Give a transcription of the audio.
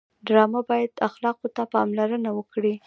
ډرامه باید اخلاقو ته پاملرنه وکړي